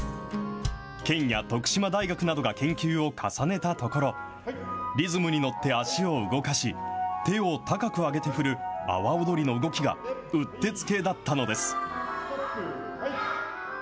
県や徳島大学などが研究を重ねたところ、リズムに乗って足を動かし、手を高く上げて振る、阿波踊りの動きが、うってつけだったのです。